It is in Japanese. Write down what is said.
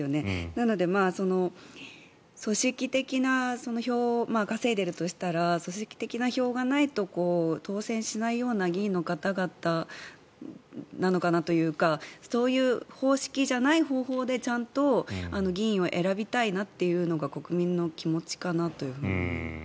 なので、組織的な票を稼いでいるとしたら組織的な票がないと当選しないような議員の方々なのかなというかそういう方式じゃない方法で議員を選びたいというのが玉川さん。